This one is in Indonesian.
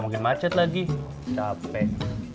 makin macet lagi capek